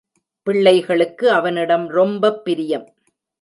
பிள்ளைகளுக்கு அவனிடம் ரொம்பப் பிரியம்.